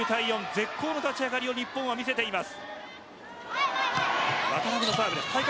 絶好の立ち上がりを日本が見せています。